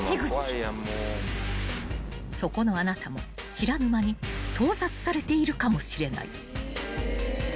［そこのあなたも知らぬ間に盗撮されているかもしれない］